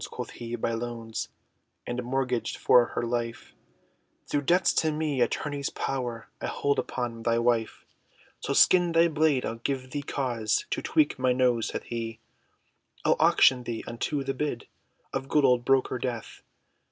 Quoth he, "By loans, And mortgaged, for her life, Thro' debts to me, attorney's power, I hold upon thy wife, So skin thy blade, I'll give thee cause, To tweak my nose!" he saith, "I'll auction thee, unto the bid, Of good old broker death!"